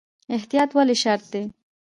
احتیاط ولې شرط دی؟